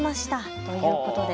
ということです。